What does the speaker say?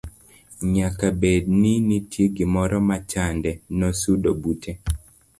nyaka bed ni nitie gimoro machande. nosudo bute